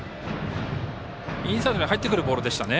インサイドに入ってくるボールでしたね。